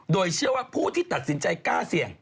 โดยเชื่อว่าผู้ที่ตัดสินใจกล้าเสี่ยง